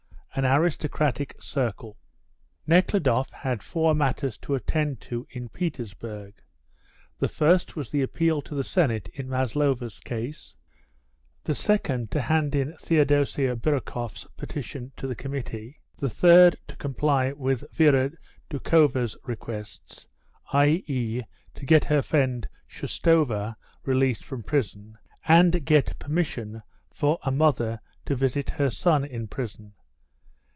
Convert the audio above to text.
AN ARISTOCRATIC CIRCLE. Nekhludoff had four matters to attend to in Petersburg. The first was the appeal to the Senate in Maslova's case; the second, to hand in Theodosia Birukoff's petition to the committee; the third, to comply with Vera Doukhova's requests i.e., try to get her friend Shoustova released from prison, and get permission for a mother to visit her son in prison.